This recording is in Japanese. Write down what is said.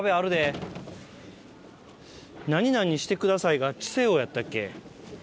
「何々してください」が「チセヨ」やったっけ？